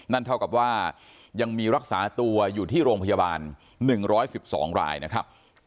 เท่ากับว่ายังมีรักษาตัวอยู่ที่โรงพยาบาล๑๑๒รายนะครับ